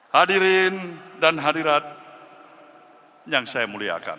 hadirin dan hadirat yang saya muliakan